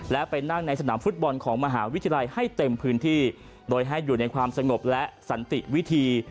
และไปนั่งในสนามฟุตบอลของมหาวิทยาลัยให้เต็มพื้นที่โดยให้อยู่ในความสงบและสันติวิธี